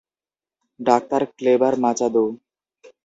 Doctor Kleber Machado.